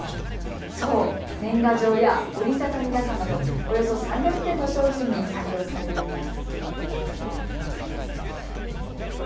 年賀状や折り畳み傘などおよそ３００点の商品に採用されています。